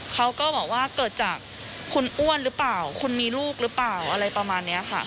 เขาก็บอกว่าเกิดจากคุณอ้วนหรือเปล่าคุณมีลูกหรือเปล่าอะไรประมาณนี้ค่ะ